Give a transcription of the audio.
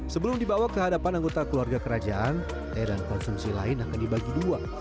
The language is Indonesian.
sebelum dibawa ke hadapan anggota keluarga kerajaan teh dan konsumsi lain akan dibagi dua